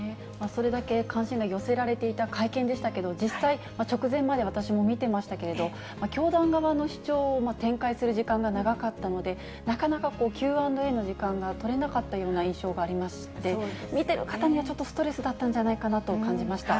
それだけ、関心が寄せられていた会見でしたけど、実際、直前まで私も見てましたけれども、教団側の主張を展開する時間が長かったので、なかなかＱ＆Ａの時間が取れなかったような印象がありまして、見てる方もちょっとストレスだったんじゃないかなと感じました。